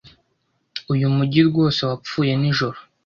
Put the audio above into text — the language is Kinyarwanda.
Uyu mujyi rwose wapfuye nijoro.